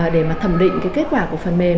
để mà thẩm định cái kết quả của phần mềm